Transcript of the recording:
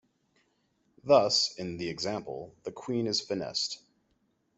Thus, in the example, the Queen is finessed.